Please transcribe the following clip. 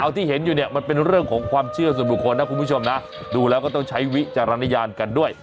ที่เห็นอยู่เนี่ยมันเป็นเรื่องของความเชื่อส่วนบุคคลนะคุณผู้ชมนะดูแล้วก็ต้องใช้วิจารณญาณกันด้วย